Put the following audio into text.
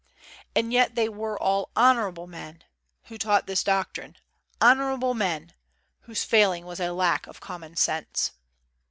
And yet they were all "honorable men" Who taught this doctrine "honorable men!" Whose failing was a lack of common sense.